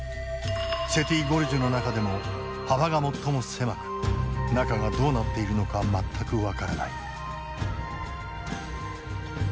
セティ・ゴルジュの中でも幅が最も狭く中がどうなっているのか全く分からない。